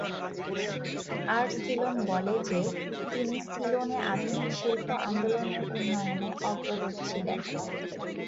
Art সিলন বলে যে তিনি "সিলনে আধুনিক শিল্প আন্দোলনের উন্নয়নে অগ্রদূত ছিলেন"।